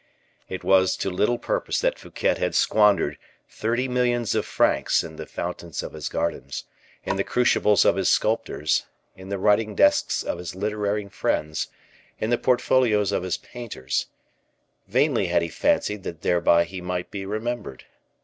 It was to little purpose that Fouquet had squandered thirty millions of francs in the fountains of his gardens, in the crucibles of his sculptors, in the writing desks of his literary friends, in the portfolios of his painters; vainly had he fancied that thereby he might be remembered.